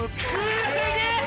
すげえ！